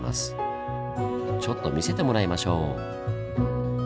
ちょっと見せてもらいましょう。